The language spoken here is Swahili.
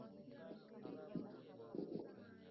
Bunge la Taifa la Uturuki la Unicameral Uturuki